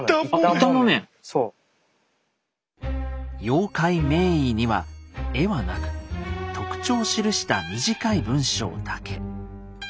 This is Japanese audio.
「妖怪名彙」には絵はなく特徴を記した短い文章だけ。